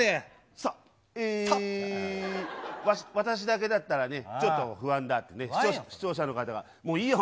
さあ、私だけだったらね、ちょっと不安だと視聴者の方が、もういいよ